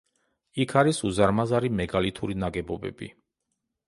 იქ არის უზარმაზარი მეგალითური ნაგებობები.